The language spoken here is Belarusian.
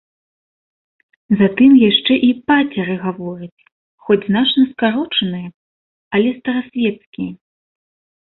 Затым яшчэ і пацеры гаворыць, хоць значна скарочаныя, але старасвецкія.